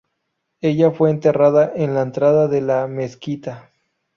Ella fue enterrada en la entrada de la mezquita.